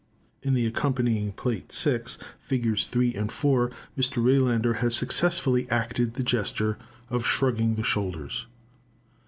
In the accompanying Plate VI., figs. 3 and 4, Mr. Rejlander has successfully acted the gesture of shrugging the shoulders.